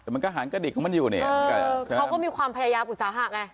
แต่มันก็หางกระดิกของมันอยู่เนี่ยเขาก็มีความพยายามอุตสาหะไง